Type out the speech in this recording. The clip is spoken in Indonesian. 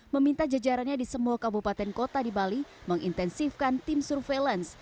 meminta jajarannya di semua kabupaten kota di bali mengintensifkan tim surveillance